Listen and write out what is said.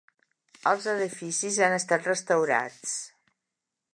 Els edificis han estat restaurats.